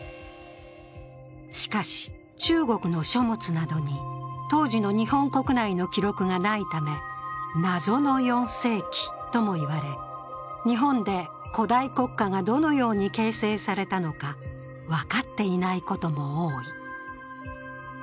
しかし、中国の書物などに当時の日本国内の記録がないため謎の４世紀ともいわれ、日本で古代国家がどのように形成されたのか、分かっていないことも多い。